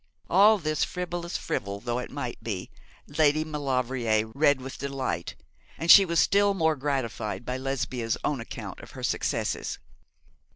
All this, frivolous fribble though it might be, Lady Maulevrier read with delight, and she was still more gratified by Lesbia's own account of her successes.